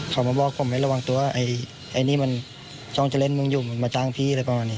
เขาก็ไม่ทำพวกมันบอกผมระวังตัวไอ้นี่จ้องจะเล่นมึงอยู่มาจ้างพี่